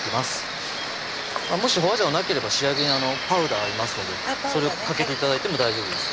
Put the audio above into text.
もし花椒なければ仕上げにパウダーありますのでそれをかけて頂いても大丈夫です